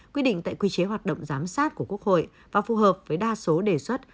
quy định tại quy chế hoạt động giám sát của quốc hội và phù hợp với đa số đề xuất